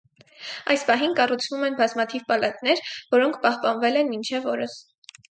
Այս պահին կառուցվում են բազմաթիվ պալատներ, որոնք պահպանվել են մինչև օրս։